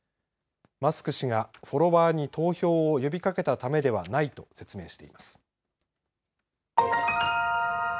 マスク氏がフォロワーに投票を呼びかけたためではないと説明しています。